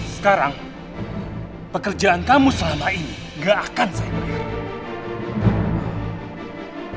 sekarang pekerjaan kamu selama ini gak akan saya berdiri